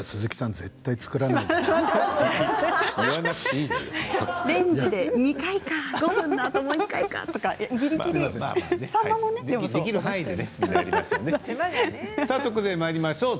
絶対作らないでしょうと。